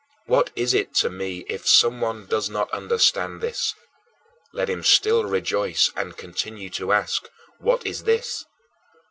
What is it to me if someone does not understand this? Let him still rejoice and continue to ask, "What is this?"